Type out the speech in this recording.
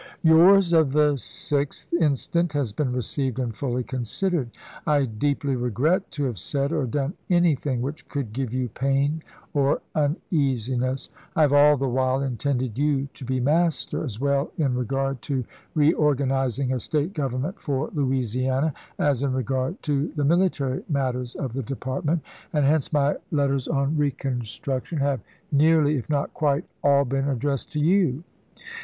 Yours of the sixth instant has been received and fully considered. I deeply regret to have said or done any thing which could give you pain or uneasiness. I have all the while intended you to he master, as well in regard to reorganizing a State government for Louisiana as in regard to the military matters of the Department, and hence my letters on reconstruction have nearly, if not quite, all been addressed to you.